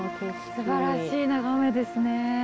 すばらしい眺めですね。